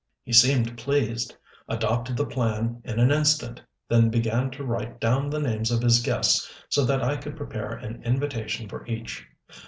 He seemed pleased, adopted the plan in an instant, then began to write down the names of his guests so that I could prepare an invitation for each.